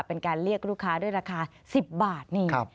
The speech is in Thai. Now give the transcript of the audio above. เป็นการเรียกลูกค้าด้วยราคา๑๐บาทนี่